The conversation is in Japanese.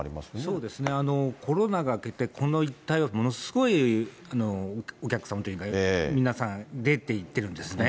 そうですね、コロナが明けて、この一帯はものすごいお客さんというか、皆さん、出ていってるんですね。